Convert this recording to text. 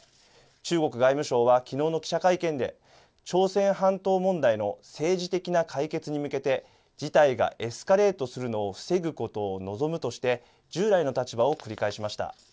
中国外務省はきのうの記者会見で朝鮮半島問題の政治的な解決に向けて事態がエスカレートするのを防ぐことを望むとして従来の立場を繰り返しました。